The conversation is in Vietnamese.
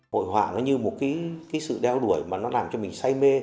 hội họa nó như một cái sự đeo đuổi mà nó làm cho mình say mê